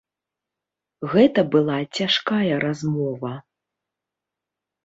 Гэта была цяжкая размова.